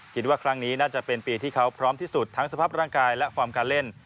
คิดว่าครั้งนี้น่าจะเป็นปีที่เขาพร้อมที่สุดทั้งสภาพร่างกายและฟอร์มการเล่น